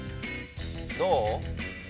どう？